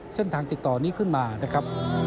เส้นทางติดต่อนี้ขึ้นมา